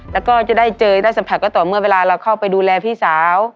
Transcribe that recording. แล้วก็จะได้เจอได้สัมผัสก็ต่อเมื่อเวลาเราเข้าไปดูแลพี่สาว